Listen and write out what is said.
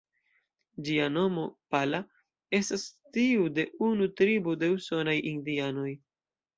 Ĝia nomo ""Pala"", estas tiu de unu tribo de usonaj indianoj.